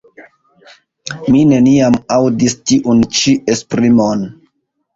Mi neniam aŭdis tiun ĉi esprimon.